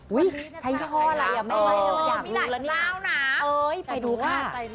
อุ๊ยใช้ช่อละอย่าไม่ไหวอยากรู้ละเนี่ยเอ้ยไปดูค่ะ